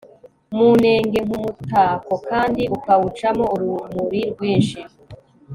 mu nenge nkumutako kandi ukawucamo urumuri rwinshi